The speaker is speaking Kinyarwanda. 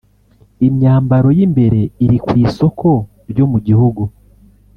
Imyambaro y’imbere iri kw’isoko ryo mu gihugu